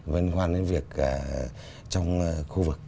liên quan đến việc trong khu vực